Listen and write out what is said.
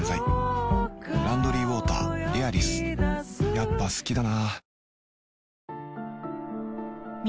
やっぱ好きだな